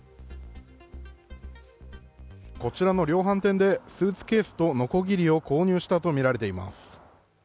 こちらの量販店でスーツケースとのこぎりを購入していたとみられています。